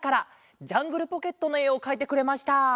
「ジャングルポケット」のえをかいてくれました。